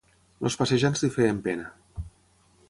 Els passejants li feien pena